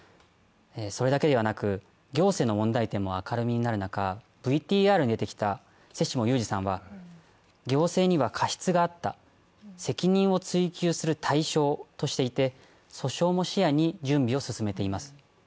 それだけでなく行政の問題も明るみになる中、ＶＴＲに出てきた瀬下雄史さんは行政には過失があった責任を追及する対象としていて、訴訟も視野に準備を進めています。